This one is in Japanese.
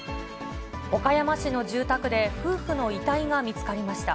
岡山市の住宅で、夫婦の遺体が見つかりました。